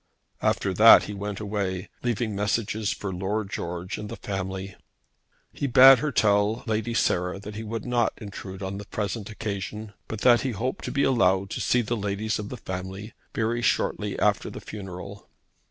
After that he went away, leaving messages for Lord George and the family. He bade her tell Lady Sarah that he would not intrude on the present occasion, but that he hoped to be allowed to see the ladies of the family very shortly after the funeral.